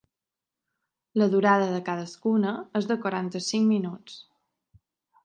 La durada de cadascuna és de quaranta-cinc minuts.